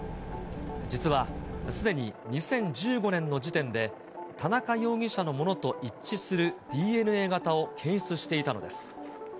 実はすでに２０１５年の時点で、田中容疑者のものと一致するＤＮＡ型を検出していたのです。